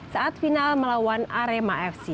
saat final melawan arema fc